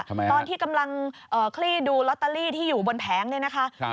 ตอนที่กำลังคลี่ดูลอตเตอรี่ที่อยู่บนแผงเนี่ยนะคะ